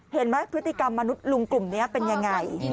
เห็นไหมพฤติกรรมลุงกลุ่มนี้เป็นอย่างไร